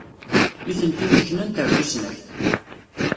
Nitenti nneknant ɣer tusnakt.